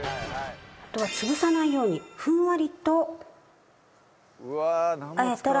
あとは潰さないようにふんわりと和えたら。